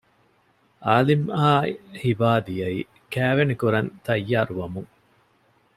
އާލިމްއާއި ހިބާ ދިޔައީ ކައިވެނި ކުރަން ތައްޔާރު ވަމުން